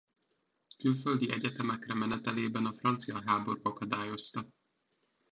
Külföldi egyetemekre menetelében a francia háború akadályozta.